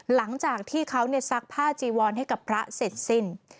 หลังจากที่เขาซักผ้าจีวรให้กับพระเสร็จสิ้น